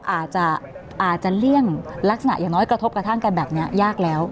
อาจจะอาจจะเลี่ยงลักษณะอย่างน้อยกระทบกระทั่งกันแบบนี้ยากแล้ว